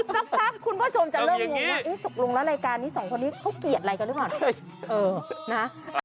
สักพักคุณผู้ชมจะเริ่มงงว่าตกลงแล้วรายการนี้สองคนนี้เขาเกลียดอะไรกันหรือเปล่า